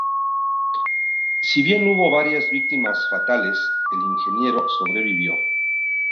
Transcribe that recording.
Si bien hubo varias víctimas fatales, el ingeniero sobrevivió.